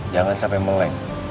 jangan sampai meleng